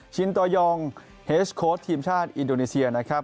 ชินตอยองเฮสโค้ดทีมชาติอินโดนีเซียนะครับ